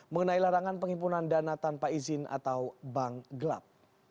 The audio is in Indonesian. mengenai larangan penghimpunan dana tanpa izin atau bank gelap